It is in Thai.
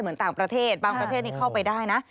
เหมือนต่างประเทศบางประเทศนี้เข้าไปได้นะ